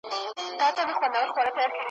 په لمنو کي د غرونو بس جونګړه کړو ودانه ,